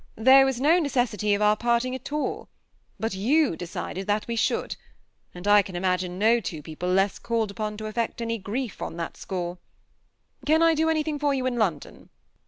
There was no necessity for our part ing at all ; but you decided that we should, and I can imagine no two people less called upon to affect any grief on that jBCore. Can I do anything for you in Lon don?"